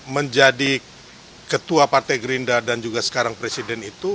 menjadi ketua partai gerindra dan juga sekarang presiden itu